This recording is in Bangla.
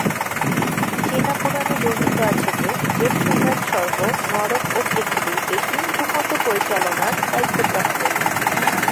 চীনা পুরাণে বর্ণিত আছে যে জেড সম্রাট স্বর্গ, নরক ও পৃথিবী এই তিন ভূখণ্ড পরিচালনার দায়িত্বপ্রাপ্ত।